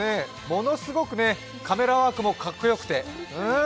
ものすごくカメラワークもかっこよくて、うん！